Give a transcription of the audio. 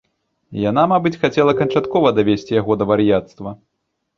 Яна, мабыць, хацела канчаткова давесці яго да вар'яцтва.